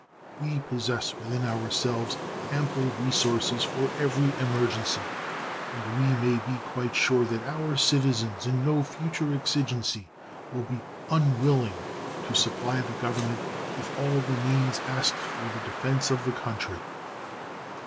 We possess within ourselves ample resources for every emergency, and we may be quite sure that our citizens in no future exigency will be unwilling to supply the Government with all the means asked for the defense of the country.